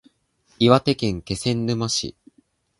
岩手県気仙沼市